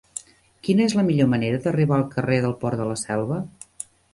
Quina és la millor manera d'arribar al carrer del Port de la Selva?